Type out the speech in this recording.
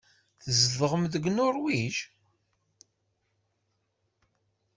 Tzedɣem deg Nuṛwij?